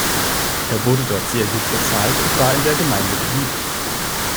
Er wurde dort sehr gut bezahlt und war in der Gemeinde beliebt.